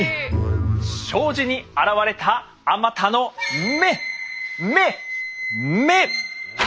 障子に現れたあまたの目目目！